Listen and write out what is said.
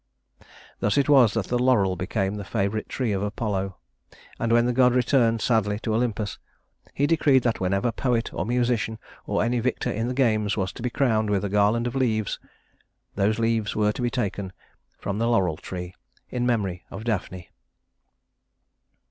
Thus it was that the laurel became the favorite tree of Apollo; and when the god returned sadly to Olympus, he decreed that whenever poet or musician or any victor in the games was to be crowned with a garland of leaves, those leaves were to be taken from the laurel tree in memory of Daphne.